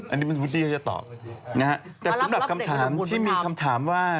อันนี้คุณวุดดี้ก็จะตอบแต่สำหรับคำถามที่มีคำถามว่า